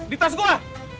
di tas gua